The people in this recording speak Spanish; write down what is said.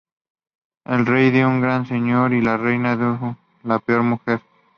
El rey era un gran señor y la reina la peor mujer.